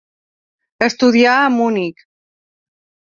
Estudià a Munic.